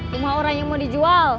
lima orang yang mau dijual